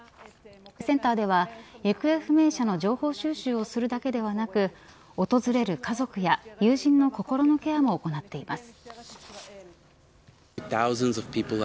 センターでは行方不明者の情報収集をするだけではなく訪れる家族や友人の心のケアも行っています。